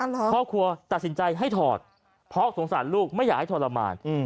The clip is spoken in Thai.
ครอบครัวตัดสินใจให้ถอดเพราะสงสารลูกไม่อยากให้ทรมาน